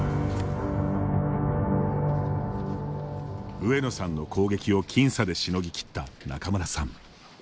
上野さんの攻撃を僅差でしのぎきった仲邑さん。